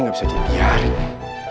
ini gak bisa jadi hari ini